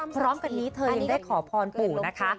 พร้อมกันนี้เธอยังได้ขอพรปู่นะคะ